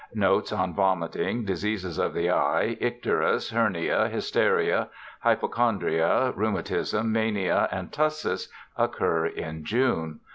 Notes on vomiting, diseases of the eye, icterus, hernia, hysteria, hypo chondria, rheumatism, mania, and tussis occur in June.